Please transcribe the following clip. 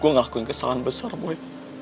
gue mau ngelakuin kesalahan bersama lo boy